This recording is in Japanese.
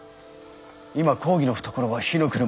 今公儀の懐は火の車。